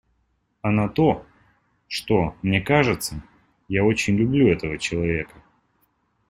А на то, что, мне кажется, я очень люблю этого человека.